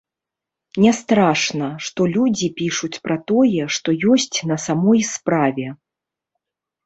Не страшна, што людзі пішуць пра тое, што ёсць на самой справе.